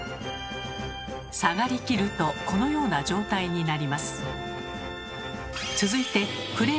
下がりきるとこのような状態になります。